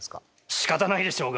しかたないでしょうが！